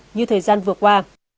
như thời gian vừa qua